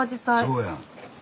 そうやん。